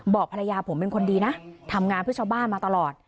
บอกภรรยาผมเป็นคนดีนะทำงานเพื่อชาวบ้านมาตลอด